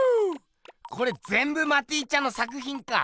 これぜんぶマティちゃんの作ひんか！